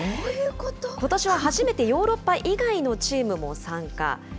ことしは初めてヨーロッパ以外のチームも参加。